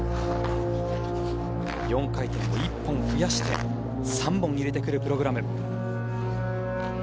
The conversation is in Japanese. ４回転を１本増やして３本入れてくるプログラム。